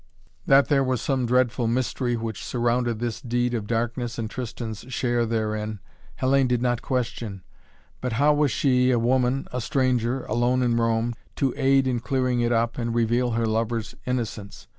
That there was some dreadful mystery which surrounded this deed of darkness and Tristan's share therein, Hellayne did not question. But how was she, a woman, a stranger, alone in Rome, to aid in clearing it up and reveal her lover's innocence?